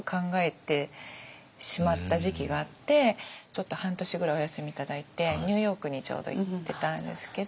ちょっと半年ぐらいお休み頂いてニューヨークにちょうど行ってたんですけど。